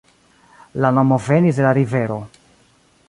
La nomo venis de la rivero.